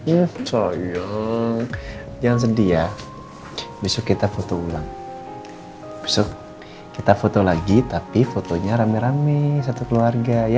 ya coyo jangan sedih ya besok kita foto ulang besok kita foto lagi tapi fotonya rame rame satu keluarga ya